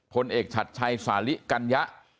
ผลเอกชัดชัยสาลิกัญญะ